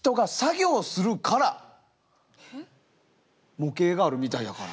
模型があるみたいやから。